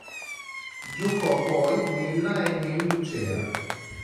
Giocò poi nella e nel Lucera.